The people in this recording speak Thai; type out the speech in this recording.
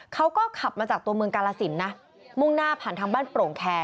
เขาก็ขับมาจากตัวเมืองกาลสินนะมุ่งหน้าผ่านทางบ้านโปร่งแคร์